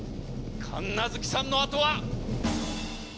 神奈月さんの後は？